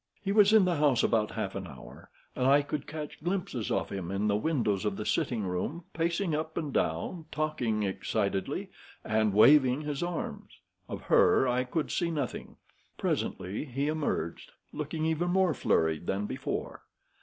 "He was in the house about half an hour, and I could catch glimpses of him in the windows of the sitting room, pacing up and down, talking excitedly and waving his arms. Of her I could see nothing. Presently he emerged, looking even more flurried than before.